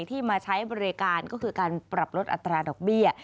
ที่มาใช้บริการก็คือการปรับลดอัตราดอกเบี้ย